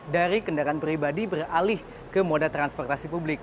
dari kendaraan pribadi beralih ke moda transportasi publik